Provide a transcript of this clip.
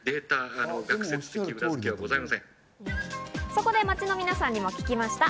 そこで街の皆さんにも聞きました。